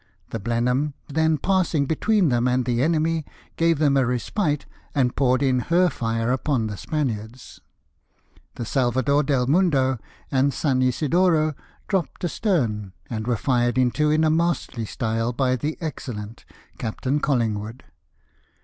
The Blenheim then passing between them and the enemy, gave them a respite, and poured in her fire upon the Spaniards. The Salvador del Mundo and S. Isidro dropped astern, and were fired into in a masterly style by the Excellent, Captain Collingwood.